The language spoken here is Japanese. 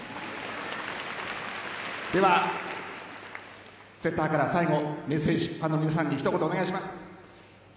ではセッターから最後メッセージファンの皆さんに一言お願いします。